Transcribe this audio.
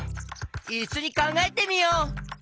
いっしょにかんがえてみよう！